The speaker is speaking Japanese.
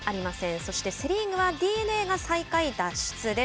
そして、セ・リーグはＤｅＮＡが最下位脱出です。